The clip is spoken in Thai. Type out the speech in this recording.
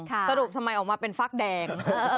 สรุปทำไมออกมาเป็นฟักแดง